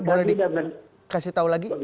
boleh dikasih tahu lagi